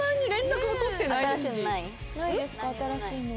新しいの。